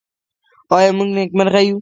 آیا موږ نېکمرغه یو؟